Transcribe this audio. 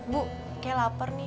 bu kayaknya lapar nih